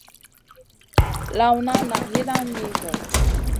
Lawna nan yiidan ni zo.